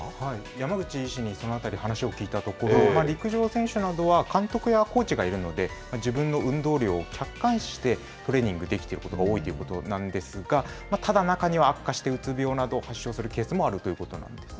山口医師にそのあたり、話を聞いたところ、陸上選手などは監督やコーチがいるので、自分の運動量を客観視して、トレーニングできてることが多いということなんですが、ただ、中には悪化してうつ病などを発症するケースもあるということなんです。